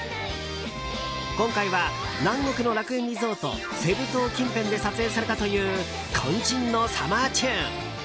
今回は、南国の楽園リゾートセブ島近辺で撮影されたという渾身のサマーチューン。